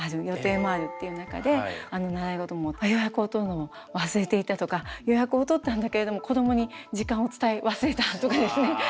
予定もあるっていう中で習い事も予約を取るのも忘れていたとか予約を取ったんだけれども子どもに時間を伝え忘れたとかですね。